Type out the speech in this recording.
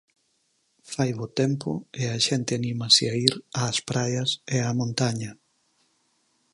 Fai bo tempo e a xente anímase a ir ás praias e á montaña.